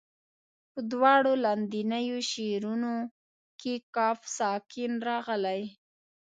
په دواړو لاندنیو شعرونو کې قاف ساکن راغلی.